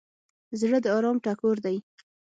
زړه د ارام ټکور دی.